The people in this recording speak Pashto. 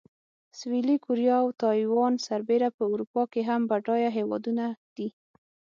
سویلي کوریا او تایوان سربېره په اروپا کې هم بډایه هېوادونه دي.